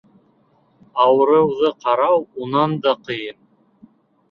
Ауырыуҙы ҡарау унан да ҡыйын.